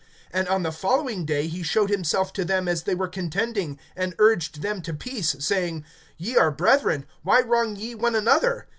(26)And on the following day he showed himself to them as they were contending, and urged them to peace, saying: Ye are brethren; why wrong ye one another?